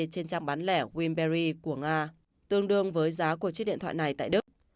trên trang bán lẻ wilberry của nga tương đương với giá của chiếc điện thoại này tại đức